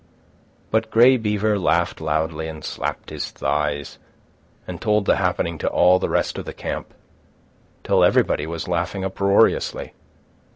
But Grey Beaver laughed loudly, and slapped his thighs, and told the happening to all the rest of the camp, till everybody was laughing uproariously.